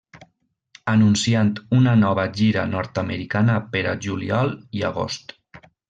Anunciant una nova gira nord-americana per a juliol i agost.